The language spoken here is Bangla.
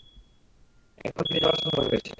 এখন ফিরে যাওয়ার সময় হয়েছে।